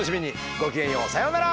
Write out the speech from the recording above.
ごきげんようさようなら！